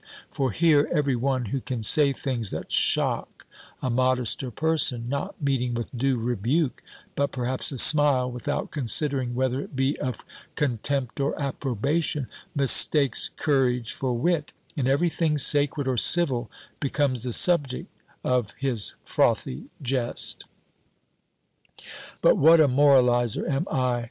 For here every one, who can say things that shock a modester person, not meeting with due rebuke, but perhaps a smile, (without considering whether it be of contempt or approbation) mistakes courage for wit; and every thing sacred or civil becomes the subject of his frothy jest. But what a moralizer am I!